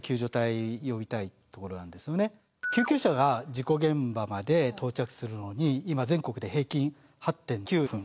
救急車が事故現場まで到着するのに今全国で平均８．９分。